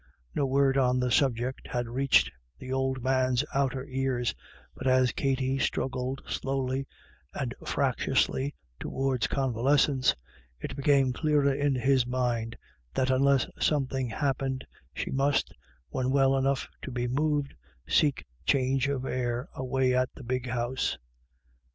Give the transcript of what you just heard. No word on the subject had reached the old man's outer ears, but as Katty struggled slowly and frac tiously towards convalescence, it became clearer in his mind that unless something happened, she must, when well enough to be moved, seek change of air i away at the big House.